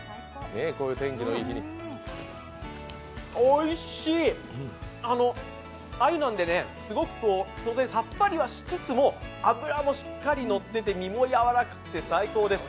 おいしい、鮎なんで、すごくさっぱりはしつつも脂もしっかりのってて身もやわらかくて最高です。